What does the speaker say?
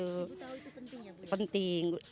tapi ibu tahu itu penting ya